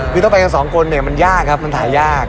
คือต้องไปกันสองคนเนี่ยมันยากครับมันหายาก